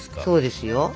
そうですよ。